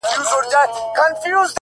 • ډبري غورځوې تر شا لاسونه هم نیسې،